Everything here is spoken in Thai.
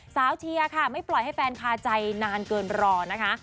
เชียร์ค่ะไม่ปล่อยให้แฟนคาใจนานเกินรอนะคะ